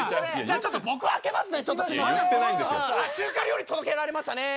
あっ中華料理届けられましたね。